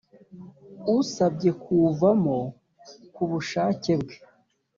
asabye kuwuvamo ku bushake bwe